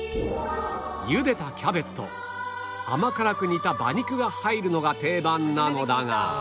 茹でたキャベツと甘辛く煮た馬肉が入るのが定番なのだが